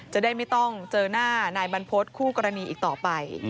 จะได้ไม่ต้องเจอหน้านายบรรพฤษคู่กรณีอีกต่อไป